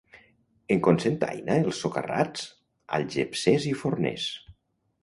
En Cocentaina, els socarrats, algepsers i forners.